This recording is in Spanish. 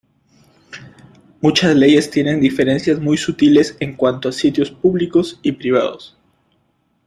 Muchas leyes tienen diferencias muy sutiles en cuanto a sitios públicos y privados.